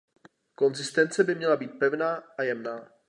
Konzistence by měla být pevná a jemná.